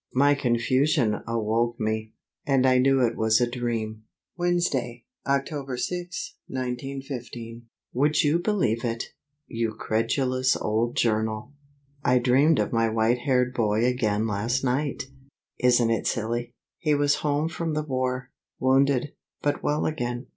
My confusion awoke me; and I knew it was a dream. Wednesday, October 6, 1915. Would you believe it, you credulous old journal, I dreamed of my white haired boy again last night! Isn't it silly? He was home from the war, wounded, but well again.